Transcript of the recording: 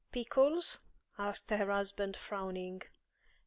"Pickles?" asked her husband, frowning.